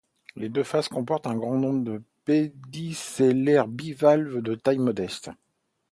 Les deux faces comportent un grand nombre de pédicellaires bivalves, de taille modeste.